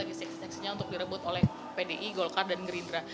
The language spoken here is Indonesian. nah kursi dpr ini lagi seks seksnya untuk direbut oleh pdi golkar dan gerindra